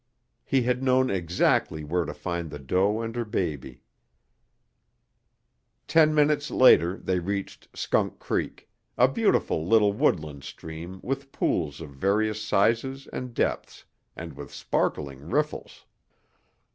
He had known exactly where to find the doe and her baby. Ten minutes later they reached Skunk Creek, a beautiful little woodland stream with pools of various sizes and depths and with sparkling riffles.